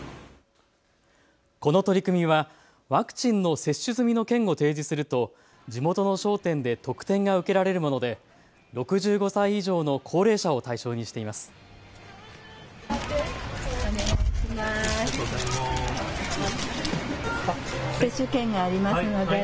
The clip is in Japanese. この取り組みはワクチンの接種済みの券を提示すると地元の商店で特典が受けられるもので６５歳以上の高齢者を対象にしています。